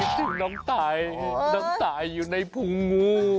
ซึ่งน้องตายน้องตายอยู่ในพุงงู